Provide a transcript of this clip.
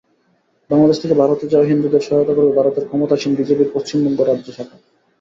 বাংলাদেশ থেকে ভারতে যাওয়া হিন্দুদের সহায়তা করবে ভারতের ক্ষমতাসীন বিজেপির পশ্চিমবঙ্গ রাজ্য শাখা।